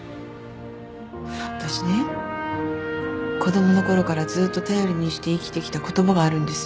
私ね子供のころからずっと頼りにして生きてきた言葉があるんです。